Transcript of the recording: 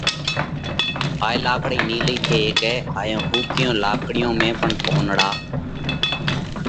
هائي لاڪڙئِي نِيلئِي ٿي هيڪئه۔ هائيون ۿُوڪِيون لاڪڙِيون ۾ پڻ پونَڙا